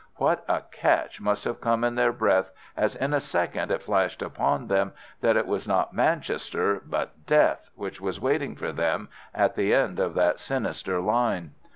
What a catch must have come in their breath as in a second it flashed upon them that it was not Manchester but Death which was waiting for them at the end of that sinister line.